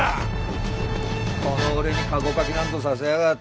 この俺に駕籠かきなんぞさせやがって。